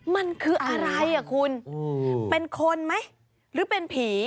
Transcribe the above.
มันคืออะไรอ่ะคุณเป็นคนไหมหรือเป็นผี